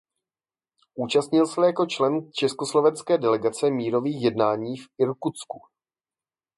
Účastnil se jako člen československé delegace mírových jednání v Irkutsku.